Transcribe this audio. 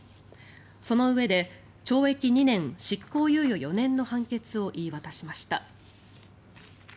そのうえで懲役２年執行猶予４年の判決を言い渡しました。